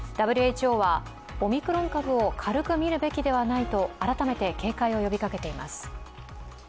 ＷＨＯはオミクロン株を軽く見るべきではないと改めて警戒を呼びかけています。